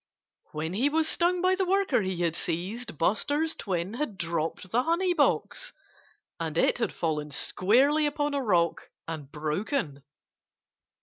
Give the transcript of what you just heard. When he was stung by the worker he had seized, Buster's twin had dropped the honey box. And it had fallen squarely upon a rock and broken.